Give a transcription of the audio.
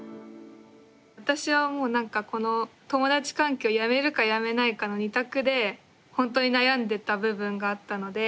私はもうなんかこの友達関係をやめるかやめないかの２択でほんとに悩んでた部分があったので。